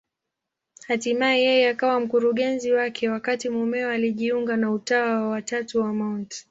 Hatimaye yeye akawa mkurugenzi wake, wakati mumewe alijiunga na Utawa wa Tatu wa Mt.